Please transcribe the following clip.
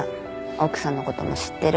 奥さんの事も知ってる。